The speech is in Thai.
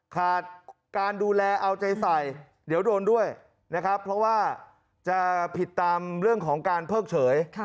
ขาดการดูแลเอาใจใส่เดี๋ยวโดนด้วยนะครับเพราะว่าจะผิดตามเรื่องของการเพิกเฉย